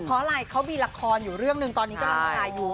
เพราะอะไรเขามีละครอยู่เรื่องหนึ่งตอนนี้กำลังถ่ายอยู่